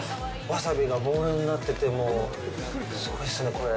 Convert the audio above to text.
ワサビがボールになってて、すごいですね、これ。